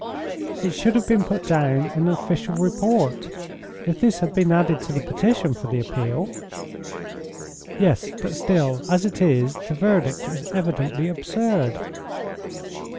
"It should have been put down in an official report. If this had been added to the petition for the appeal " "Yes, but still, as it is, the verdict is evidently absurd."